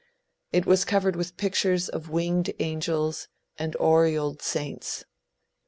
It was covered with pictures of winged angels and aureoled saints.